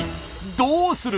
どうする？